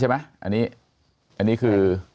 อันนี้คือ